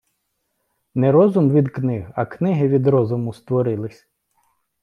Не розум від книг, а книги від розуму створились.